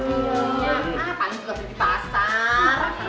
kan juga di pasar